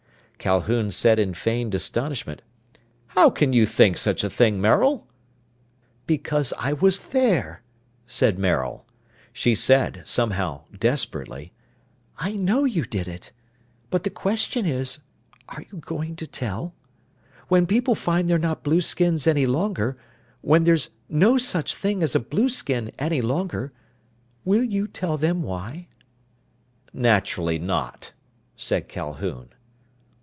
Calhoun said in feigned astonishment, "How can you think such a thing, Maril?" "Because I was there," said Maril. She said, somehow desperately, "I know you did it! But the question is, are you going to tell? When people find they're not blueskins any longer, when there's no such thing as a blueskin any longer, will you tell them why?" "Naturally not," said Calhoun.